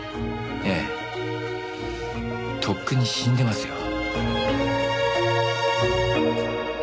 ええとっくに死んでますよ。